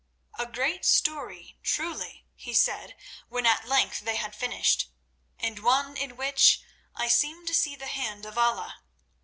"A great story, truly," he said, when at length they had finished, "and one in which I seem to see the hand of Allah.